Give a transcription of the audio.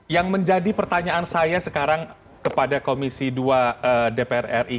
yang menjadi pertanyaan saya sekarang kepada komisi dua dpr ri